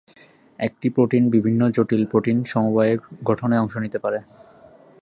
একটি প্রোটিন বিভিন্ন জটিল প্রোটিন-সমবায় গঠনে অংশ নিতে পারে।